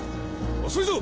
遅いぞ！